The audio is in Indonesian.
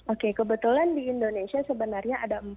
oke kebetulan di indonesia sebenarnya ada empat